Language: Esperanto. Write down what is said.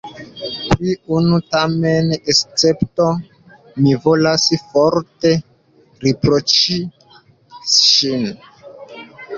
Pri unu tamen escepto mi volas forte riproĉi ŝin.